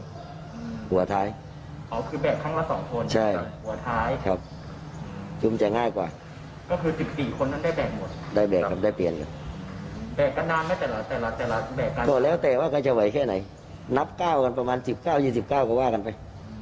โดดแล้วแต่ว่าเขาจะไหวแค่ไหนนับก้าวกันประมาณ๑๙๒๙ก็ว่ากันไป